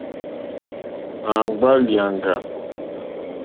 Àŋɡbá lìàŋɡà.